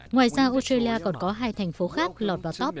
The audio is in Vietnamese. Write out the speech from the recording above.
ngoài ra australia còn có hai thành phố khác lọt vào top